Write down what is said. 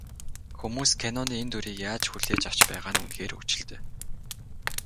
Хүмүүс энэ киноны дүрийг яаж хүлээж авч байгаа нь үнэхээр хөгжилтэй.